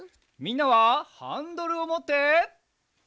みんなはハンドルをもって。